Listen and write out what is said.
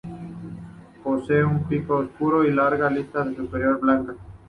Posee un pico oscuro, y larga lista superciliar blanca.